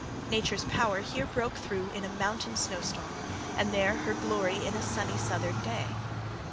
Nature's power here broke through in a mountain snow storm; and there her glory in a sunny southern day.